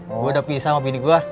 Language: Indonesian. gua udah pisah sama bini gua